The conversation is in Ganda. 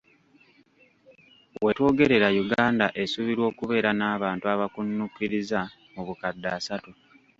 Wetwogerera Uganda esuubirwa okubeera n'abantu abakunukkiriza mu bukadde asatu.